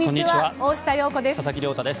大下容子です。